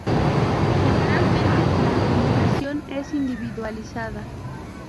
Generalmente la formulación es individualizada.